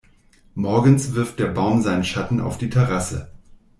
Morgens wirft der Baum seinen Schatten auf die Terrasse.